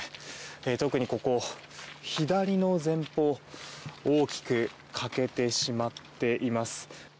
特にここ、左の前方大きく欠けてしまっています。